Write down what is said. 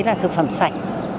thứ nhất là thực phẩm sạch